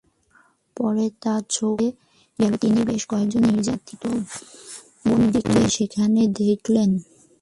পরে তাঁর চোখ খুলে গেলে তিনি বেশ কয়েকজন নির্যাতিত বন্দীকে সেখানে দেখেন।